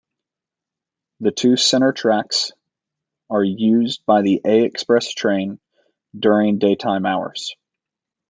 The two center tracks are used by the A express train during daytime hours.